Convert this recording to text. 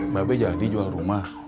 bapak jadi jual rumah